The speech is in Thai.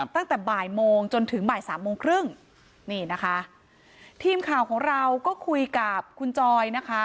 ตั้งแต่บ่ายโมงจนถึงบ่ายสามโมงครึ่งนี่นะคะทีมข่าวของเราก็คุยกับคุณจอยนะคะ